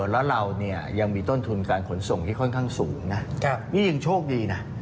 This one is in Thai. แล้วเราเนี่ยยังมีต้นทุนการขนส่งที่ค่อนข้างสูงนะนี่ยังโชคดีนะ